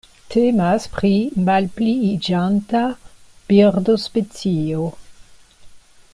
Temas pri malpliiĝanta birdospecio.